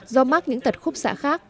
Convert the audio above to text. do mắc những tật khúc xạ khác